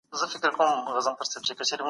سرلوړي یوازي په بېدارۍ کي ده.